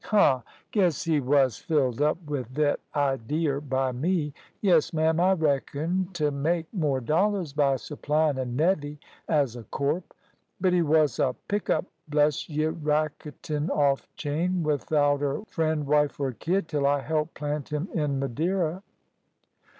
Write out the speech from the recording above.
"Huh! Guess he wos filled up with thet idear by me. Yes, ma'am, I reckoned t' make more dollars by supplyin' a nevy as a corp. But he wos a pick up, bless y', racketin' off chain, withouter friend, wife, or kid, till I help plant him in Madeira."